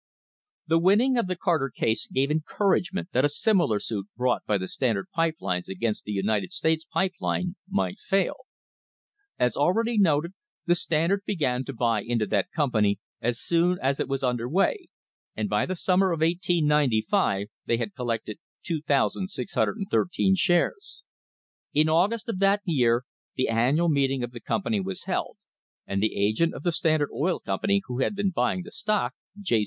The winning of the Carter case gave encouragement that a similar suit brought by the Standard pipe lines against the United States Pipe Line might fail. As already noted, the Standard began to buy into that company as soon as it was under way, and by the summer of 1895 they had collected 2,613 shares. In August of that year the annual meeting of the company was held, and the agent of the Standard Oil Company who had been buying the stock, J.